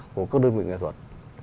của các đơn vị nghệ thuật